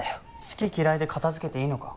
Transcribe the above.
好き嫌いで片づけていいのか？